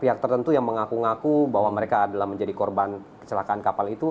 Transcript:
ada yang mengaku ngaku bahwa mereka adalah korban kecelakaan kapal itu